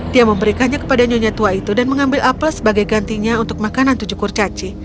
dia memberikannya kepada nyonya tua itu dan mengambil apel sebagai gantinya untuk makanan tujuh kurcaci